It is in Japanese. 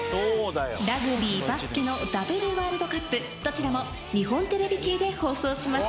ラグビーバスケのダブルワールドカップどちらも日本テレビ系で放送します。